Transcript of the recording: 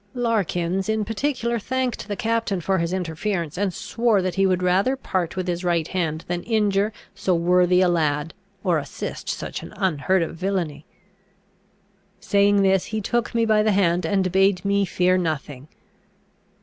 "[F] Larkins in particular thanked the captain for his interference, and swore that he would rather part with his right hand than injure so worthy a lad or assist such an unheard of villainy. Saying this, he took me by the hand and bade me fear nothing.